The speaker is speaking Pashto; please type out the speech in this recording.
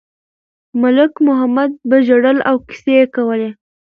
ملک محمد به ژړل او کیسې یې کولې.